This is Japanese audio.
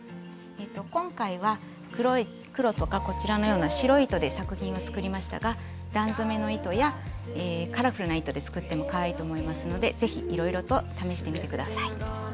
今回は黒とかこちらのような白い糸で作品を作りましたが段染めの糸やカラフルな糸で作ってもかわいいと思いますので是非いろいろと試してみて下さい。